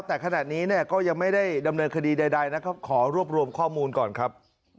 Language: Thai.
แต่ขณะนี้เนี่ยก็ยังไม่ได้ดำเนินคดีใดนะครับขอรวบรวมข้อมูลก่อนครับ